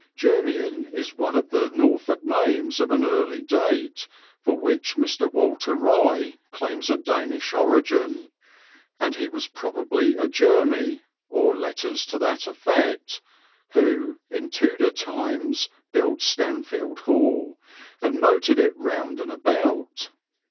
Jermiin is one of the Norfolk names of early date for which Mr. Walter Rye claims a Danish origin, and he was probably a Jermy (or letters to that effect) who, in Tudor times, built Stanfield Hall, and moated it round and about.